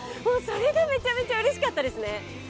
もうそれがめちゃめちゃうれしかったですね。